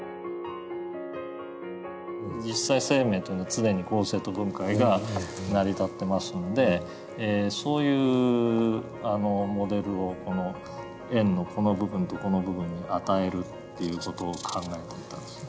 実際生命というのは常に合成と分解が成り立ってますんでそういうモデルをこの円のこの部分とこの部分に与えるっていう事を考えてみたんですね。